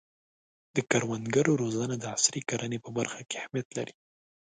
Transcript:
د کروندګرو روزنه د عصري کرنې په برخه کې اهمیت لري.